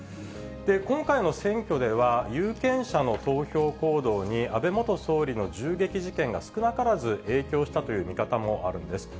今回の選挙では、有権者の投票行動に安倍元総理の銃撃事件が少なからず影響したという見方もあるんです。